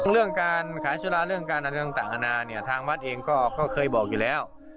เรื่องการขายสุราเรื่องการอะไรต่างอาณาเนี่ยทางวัดเองก็เคยบอกอยู่แล้ว